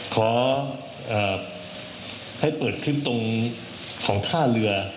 ขอให้เปิดขึ้นตรงของท่าเรือ